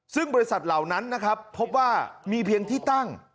ซึ่งบริษัทเหล่านั้นนะครับพบว่ามีเพียงที่ตั้ง